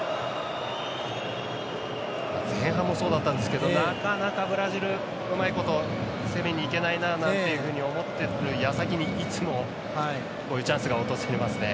前半もそうだったんですけどなかなかブラジル、うまいこと攻めにいけないななんて思っているやさきにいつも、こういうチャンスが訪れますね。